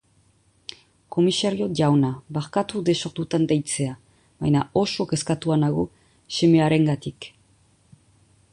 Komisario jauna, barkatu desordutan deitzea, baina oso kezkatua nago semearengatik.